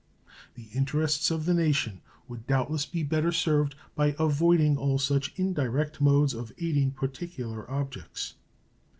The interests of the nation would doubtless be better served by avoiding all such indirect modes of aiding particular objects.